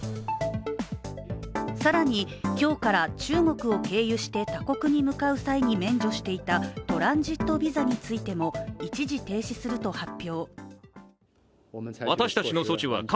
更に今日から、中国を経由して他国に向かう際に免除していたトランジットビザについても一時停止すると発表。